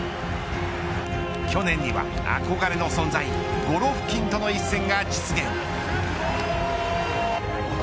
去年には憧れの存在ゴロフキンとの一戦が実現。